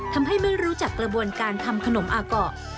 ไม่รู้จักกระบวนการทำขนมอาเกาะ